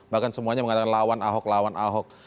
bahkan semuanya mengatakan lawan ahok lawan ahok